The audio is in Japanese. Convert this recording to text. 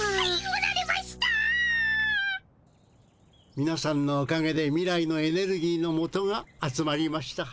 みなさんのおかげで未来のエネルギーのもとがあつまりました。